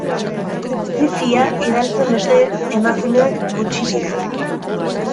Zi-fia idazten duten emakumeak gutxi dira.